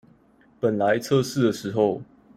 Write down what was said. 本來測試的時候